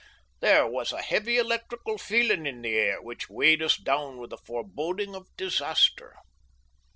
There was a heavy electrical feeling in the air, which weighed us down with a foreboding of disaster.